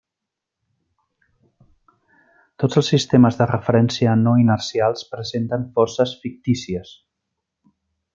Tots els sistemes de referència no inercials presenten forces fictícies.